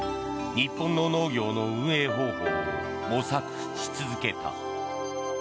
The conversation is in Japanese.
日本の農業の運営方法を模索し続けた。